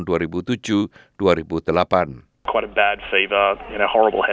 kejala kejala infeksi ini dapat berkisar dari ringan hingga berat